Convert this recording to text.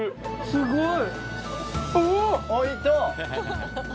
すごい！